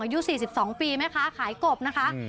อายุ๔๒ปีไหมคะขายกบนะคะ